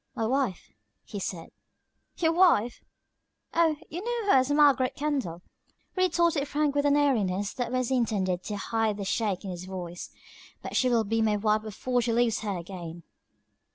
"My wife," he said. "Your wife!" "Oh, you know her as Margaret Kendall," retorted Frank with an airiness that was intended to hide the shake in his voice. "But she will be my wife before she leaves here again."